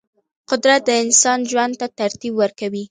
قدرت د انسان ژوند ته ترتیب ورکوي.